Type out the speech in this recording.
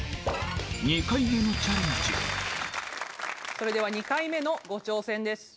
それでは２回目のご挑戦です。